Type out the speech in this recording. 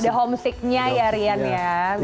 ada homesicknya ya rian ya